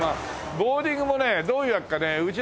ボウリングもねどういうわけかねうち